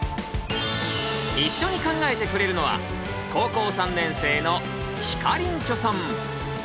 一緒に考えてくれるのは高校３年生のひかりんちょさん。